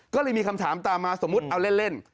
ก็เลยมีคำถามตามมาสมมุติเอาเล่น